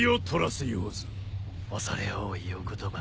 畏れ多いお言葉。